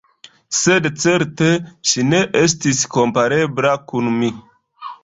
Sed certe, ŝi ne estis komparebla kun mi.